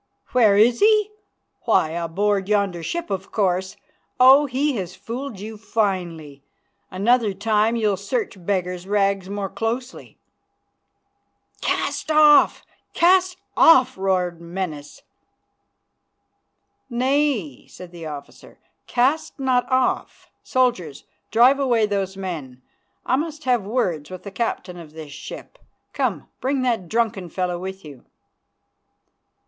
"Where is he? Why, aboard yonder ship, of course. Oh! he has fooled you finely. Another time you'll search beggar's rags more closely." "Cast off! Cast off!" roared Menas. "Nay," said the officer, "cast not off. Soldiers, drive away those men. I must have words with the captain of this ship. Come, bring that drunken fellow with you."